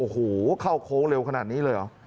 เหาะโค้งเร็วขนาดนี้เลยหรอ